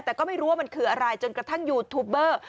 แต่ก็ไม่รู้ว่ามันคืออะไรจนกระทั่งยูทูปเบอร์